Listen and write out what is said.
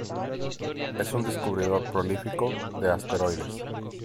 Es un descubridor prolífico de asteroides.